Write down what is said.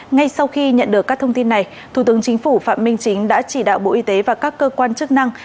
ngay sau khi nhận được các thông tin này thủ tướng chính phủ phạm minh chính đã chỉ đạo bộ y tế và các cơ quan chức năng